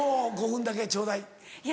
「５分だけちょうだい」。